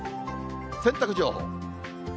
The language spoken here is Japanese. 洗濯情報。